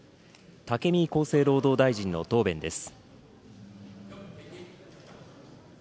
武見厚生労働大臣の答弁です。